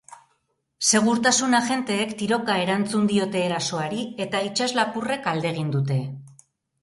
Segurtasun agenteek tiroka erantzun diote erasoari eta itsaslapurrek alde egin dute.